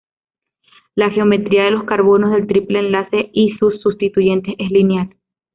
La geometría de los carbonos del triple enlace y sus sustituyentes es lineal.